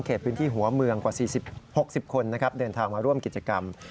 พื้นที่หัวเมืองกว่า๔๐๖๐คนเดินทางมาร่วมกิจกรรม